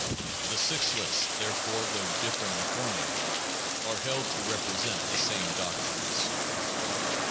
The six lists, therefore, though differently formulated, are held to represent the same doctrines.